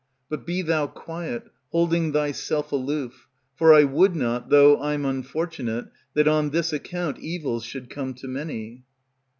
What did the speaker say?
But be thou quiet, holding thyself aloof, For I would not, though I'm unfortunate, that on this account Evils should come to many.